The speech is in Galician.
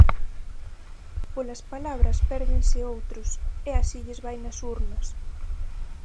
Polas palabras pérdense outros, e así lles vai nas urnas.